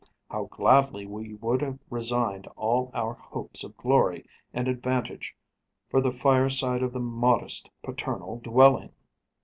How gladly would we have resigned all our hopes of glory and advantage for the fireside of the modest paternal dwelling!